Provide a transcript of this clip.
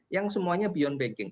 yang semuanya beyond banking